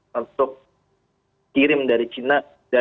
tentu kirim dari cina